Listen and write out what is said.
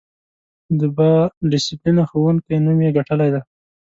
د با ډسیپلینه ښوونکی نوم یې ګټلی دی.